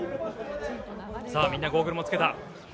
みんな、ゴーグルもつけた。